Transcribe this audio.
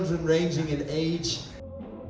kami memiliki anak anak yang berumur